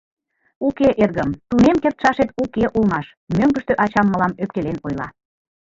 — Уке, эргым, тунем кертшашет уке улмаш, — мӧҥгыштӧ ачам мылам ӧпкелен ойла.